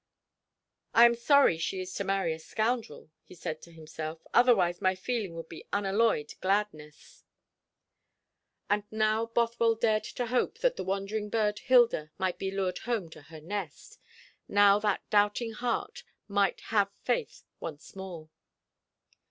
"I am sorry she is to marry a scoundrel," he said to himself; "otherwise my feeling would be unalloyed gladness." And now Bothwell dared to hope that the wandering bird Hilda might be lured home to her nest now that doubting heart might have faith once more.